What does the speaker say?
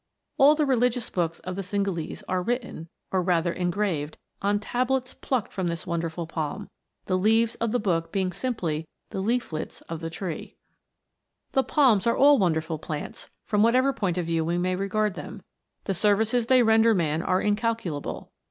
All the religious books of the Cingalese are written, or rather engraved, on tablets plucked from this won derful palm, the leaves of the book being simply the leaflets of the tree. The palms are all wonderful plants, from what ever point of view we may regard them. The services they render man are incalculable.